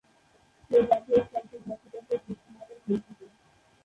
এই জাতীয় স্তরটি ""ব্যক্তিগত" তথ্য" নামেও পরিচিত।